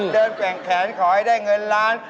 เดินแปลงแขนขอให้ได้เงินล้าน